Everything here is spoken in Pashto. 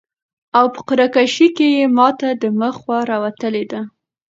او په قرعه کشي کي ماته د مخ خوا راوتلي ده